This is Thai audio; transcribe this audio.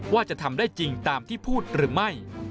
ว่าจะทำได้จริงตามที่พูดหรือไม่